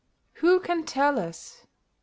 Who can tell us ?